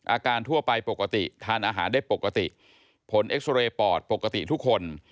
ทั่วไปปกติทานอาหารได้ปกติผลเอ็กซอเรย์ปอดปกติทุกคน